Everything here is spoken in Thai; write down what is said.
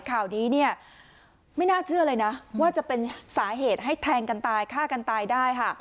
ข่าวนี้เนี่ยไม่น่าเชื่อเลยนะว่าจะเป็นสาเหตุให้แทงกันตายฆ่ากันตายได้ค่ะ